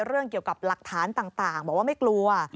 เรื่องเกี่ยวกับหลักฐานต่างบอกว่าไม่กลัว